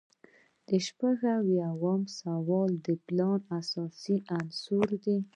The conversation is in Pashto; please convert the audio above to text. شپږ اویایم سوال د پلان اساسي عناصر دي.